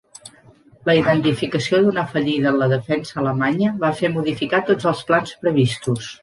La identificació d'una fallida en la defensa alemanya va fer modificar tots els plans previstos.